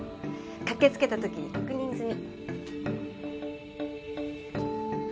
駆けつけた時に確認済み。